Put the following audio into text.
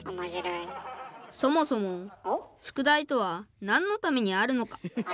そもそも宿題とは何のためにあるのか。